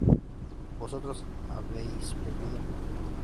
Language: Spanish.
¿vosotros habíais bebido?